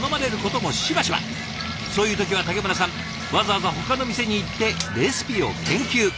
そういう時は竹村さんわざわざほかの店に行ってレシピを研究。